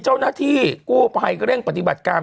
เจ้าหน้าที่กู้ภัยก็เร่งปฏิบัติการ